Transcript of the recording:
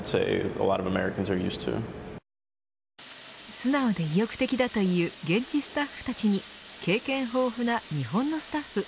素直で意欲的だという現地スタッフたちに経験豊富な日本のスタッフ。